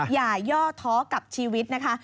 อย่าย่อเทาะกับชีวิตนะคะ